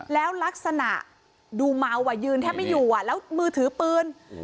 แล้วลักษณะดูเมาอ่ะยืนแทบไม่อยู่แล้วมือถือปืน